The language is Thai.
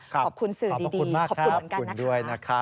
ขอบคุณสื่อดีขอบคุณเหมือนกันนะคะ